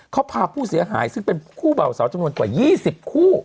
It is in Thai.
เขาพาผู้เสียหายซึ่งเป็นคู่เบาสาวจำนวนกว่า๒๐คู่